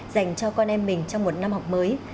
dành cho con em mình trong một năm học mới